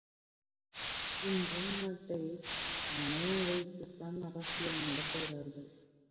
இன்றும் நாட்டை பணயம் வைத்துத்தான் அரசியல் நடத்துகிறார்கள்.